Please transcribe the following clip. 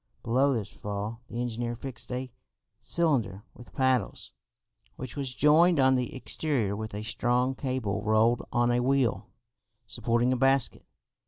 Below this fall the engineer fixed a cylinder with paddles, which was joined on the exterior with a strong cable rolled on a wheel, supporting a basket.